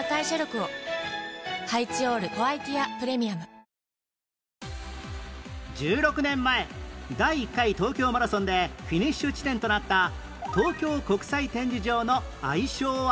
「サントリー生ビール」はじまる１６年前第１回東京マラソンでフィニッシュ地点となった東京国際展示場の愛称は？